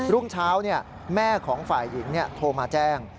รุ่งเช้าแม่ของฝ่ายหญิงโทรมาแจ้ง